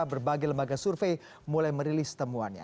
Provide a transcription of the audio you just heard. berbagai lembaga survei mulai merilis temuannya